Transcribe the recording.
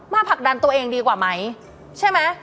ผลักดันตัวเองดีกว่าไหมใช่ไหม